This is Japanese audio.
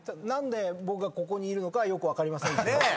何で僕がここにいるのかよく分かりませんけど。